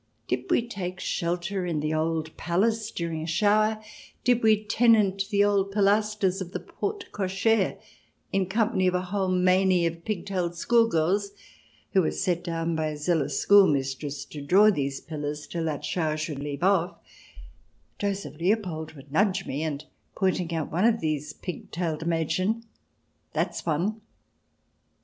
Did we take shelter in the old palace during a shower, and did we tenant the old pilasters of the porta cochere in company of a whole meiny of pig tailed schoolgirls who were set down by a zealous schoolmistress to draw these pillars till that the shower should leave off — Joseph Leopold would nudge me, and pointing out one of these pig tailed Madchen —" That's one